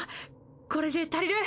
これで足りる？